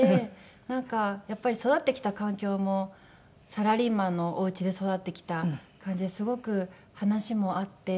なんかやっぱり育ってきた環境もサラリーマンのおうちで育ってきた感じですごく話も合って。